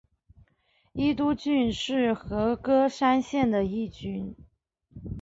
伊都郡是和歌山县的一郡。